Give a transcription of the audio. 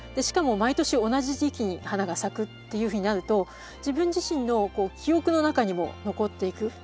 しかも毎年同じ時期に花が咲くっていうふうになると自分自身の記憶の中にも残っていく。